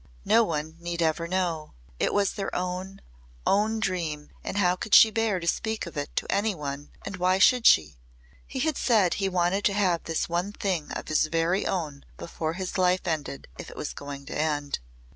no one need ever know. It was their own, own dream and how could she bear to speak of it to any one and why should she? He had said he wanted to have this one thing of his very own before his life ended if it was going to end.